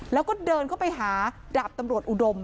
แล้วก็เดินเข้าไปหาดาบตำรวจอุดม